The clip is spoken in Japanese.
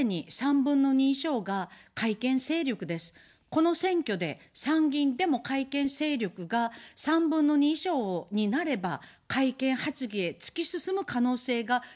この選挙で、参議院でも改憲勢力が３分の２以上になれば、改憲発議へ突き進む可能性が極めて高いんです。